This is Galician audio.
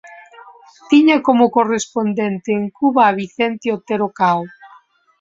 Tiña como correspondente en Cuba a Vicente Otero Cao.